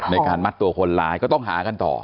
ในการมัดตัวคนร้ายก็ต้องหากันต่อ